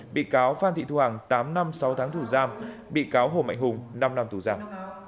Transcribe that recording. bị cáo phan thị thu hằng tám năm sáu tháng thủ giam bị cáo hồ mạnh hùng năm năm thủ giam